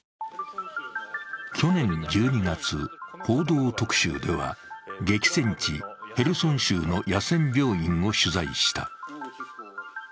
去年１２月、「報道特集」では激戦地ヘルソン州の野戦病院を取材した。